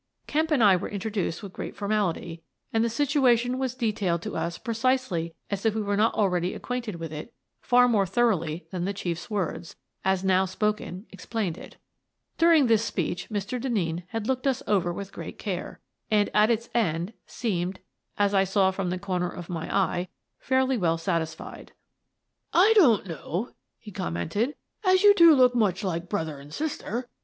Kemp and I were introduced with great formal ity, and the situation was detailed to us precisely as if we were not already acquainted with it far more thoroughly than the Chief's words, as now spoken, explained it During this speech Mr. Denneen had looked us over with great care, and, at its end, seemed — as I saw from the corner of my eye — fairly well satisfied. "I don't know," he commented, "as you two look much like brother an' sister.